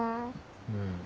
うん。